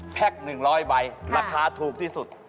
แพ็คหนึ่งร้อยใบราคาถูกที่สุด